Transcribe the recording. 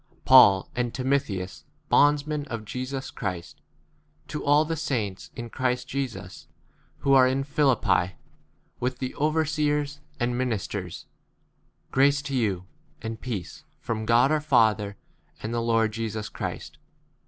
PAUL and Timotheus, bondsmen of Jesus Christ, to all the saints in Christ Jesus who are in Philippi, with [the] overseers and 2 ministers ; a grace to you, and peace from God our Father and [the] Lord Jesus Christ.